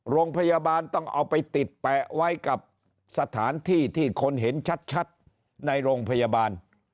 โรงพยาบาลต้องเอาไปติดแปะไว้กับสถานที่ที่คนเห็นชัดในโรงพยาบาล